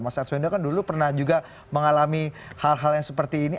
mas arswendo kan dulu pernah juga mengalami hal hal yang seperti ini